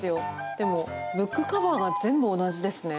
でも、ブックカバーが全部同じですね。